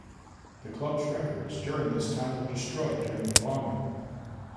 The club's records during this time were destroyed during the bombing.